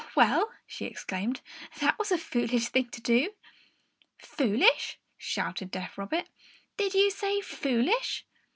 "Well," she exclaimed, "that was a foolish thing to do!" "Foolish?" shouted deaf Robert. "Did you say foolish?"